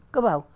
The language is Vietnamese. có phải không